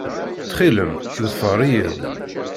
Ttxil-m, ḍfer-iyi-d.